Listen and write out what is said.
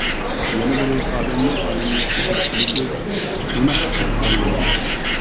يەنە بىرى ئادەمنىڭ ئادەمگە قۇلچىلىق قىلىشى گۇناھ دەپ قارىلىدۇ.